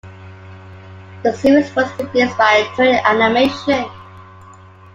The series was produced by Toei Animation.